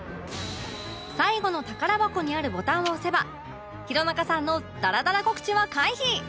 最後の宝箱にあるボタンを押せば弘中さんのダラダラ告知は回避